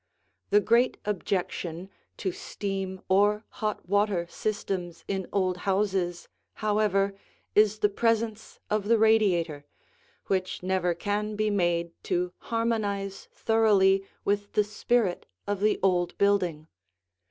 The great objection to steam or hot water systems in old houses, however, is the presence of the radiator, which never can be made to harmonize thoroughly with the spirit of the old building.